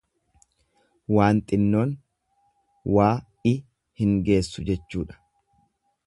Waan xinnoon wai hin geessuu jechuudha.